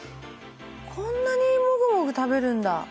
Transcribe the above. こんなにもぐもぐ食べるんだ。